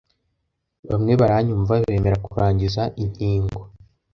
bamwe baranyumva bemera kurangiza inkingo